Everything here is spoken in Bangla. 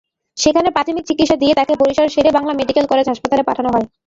সেখানে প্রাথমিক চিকিৎসা দিয়ে তাঁকে বরিশাল শেরে-ই-বাংলা মেডিকেল কলেজ হাসপাতালে পাঠানো হয়।